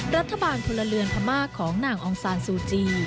รัฐบาลพลเรือนพม่าของนางองศาลสูจิ